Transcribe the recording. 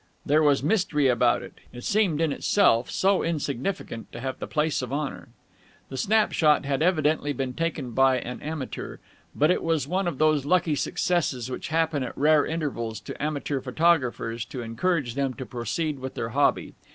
There was mystery about it. It seemed in itself so insignificant to have the place of honour. The snapshot had evidently been taken by an amateur, but it was one of those lucky successes which happen at rare intervals to amateur photographers to encourage them to proceed with their hobby.